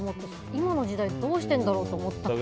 今の時代どうしてるんだろうって。